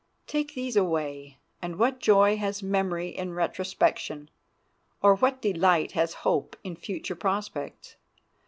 Take these away and what joy has memory in retrospection, or what delight has hope in future prospects?